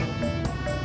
terima kasih pak